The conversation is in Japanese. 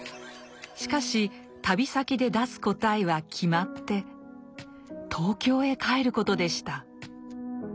しかし旅先で出す答えは決まって東京へ帰ることでした。